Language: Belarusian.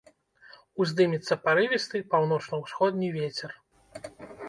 Уздымецца парывісты паўночна-ўсходні вецер.